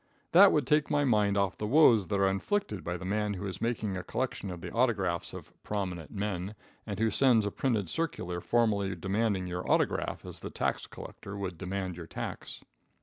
That would take my mind off the woes that are inflicted by the man who is making a collection of the autographs of "prominent men," and who sends a printed circular formally demanding your autograph, as the tax collector would demand your tax.